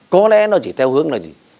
có lẽ nó chỉ theo hướng là gì